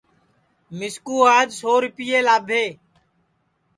مِسکُو آج سو ریپئے لاٻھے